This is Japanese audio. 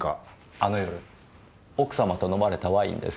あの夜奥様と飲まれたワインですが。